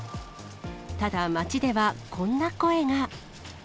ただ、街ではこんな声が。